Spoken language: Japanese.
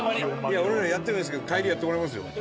俺らやってもいいですけど帰りやってもらいますよ。